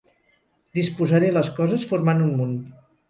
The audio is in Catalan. Disposaré les coses formant un munt.